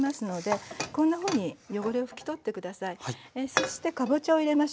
そしてかぼちゃを入れましょう。